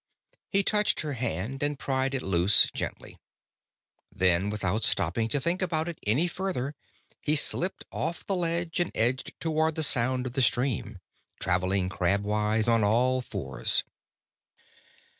He touched her hand and pried it loose gently. Then, without stopping to think about it any further, he slipped off the ledge and edged toward the sound of the stream, travelling crabwise on all fours.